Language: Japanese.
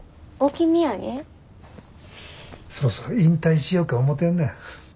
そろそろ引退しよか思てんね。